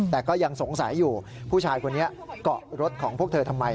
แต่ก็ยังสงสัยอยู่ผู้ชายคนนี้เกาะรถของพวกเธอทำไม